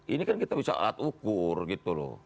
ini kan kita bisa alat ukur gitu loh